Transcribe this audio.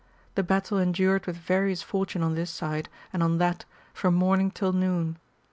The battle endured with various fortune on this side and on that from morning till noon.